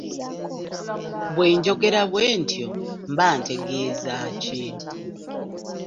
Bwe njogera bwentyo mba ntegeeza ki?